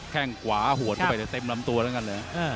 แค่งขวาหัวเข้าไปเต็มลำตัวแล้วกันเลย